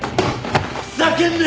ふざけんな！